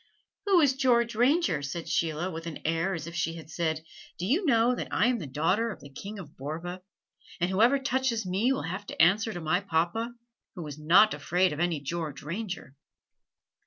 "Who is George Ranger?" said Sheila with an air as if she had said, "Do you know that I am the daughter of the King of Borva, and whoever touches me will have to answer to my papa, who is not afraid of any George Ranger?"